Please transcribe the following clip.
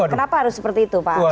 kenapa harus seperti itu pak